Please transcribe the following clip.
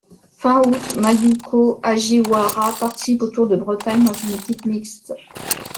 Fin août, Mayuko Hagiwara participe au Tour de Bretagne dans une équipe mixte.